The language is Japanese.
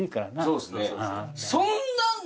そうですね。